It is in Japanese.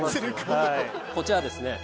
こちらですね